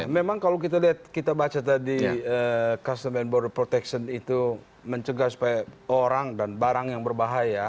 memang kalau kita lihat kita baca tadi customer border protection itu mencegah supaya orang dan barang yang berbahaya